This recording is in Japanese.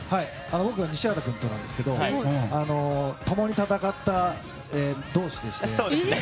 僕は西畑君となんですが共に戦った同志でして。